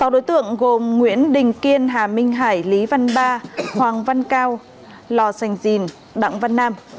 sáu đối tượng gồm nguyễn đình kiên hà minh hải lý văn ba hoàng văn cao lò sành dìn đặng văn nam